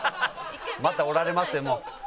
また折られますよ。